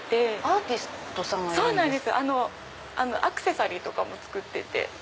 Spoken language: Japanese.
アクセサリーとかも作ってて。